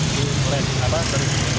kita belum tahu belum tahu